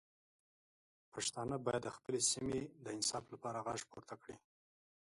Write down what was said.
پښتانه باید د خپلې سیمې د انصاف لپاره غږ پورته کړي.